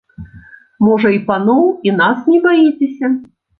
Можа, і паноў і нас не баіцеся?